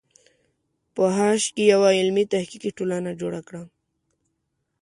په ه ش کې یوه علمي تحقیقي ټولنه جوړه کړه.